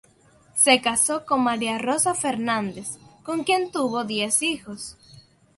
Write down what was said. Se casó con María Rosa Fernández, con quien tuvo diez hijos.